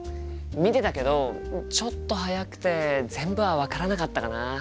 見てたけどちょっと速くて全部は分からなかったかな。